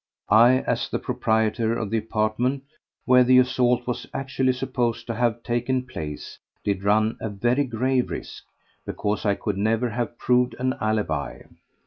I, as the proprietor of the apartment where the assault was actually supposed to have taken place, did run a very grave risk, because I could never have proved an alibi.